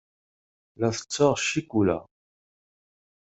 La ttetteɣ ccikula.